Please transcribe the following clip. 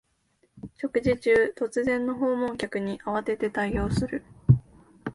食事中、突然の訪問客に慌てて対応する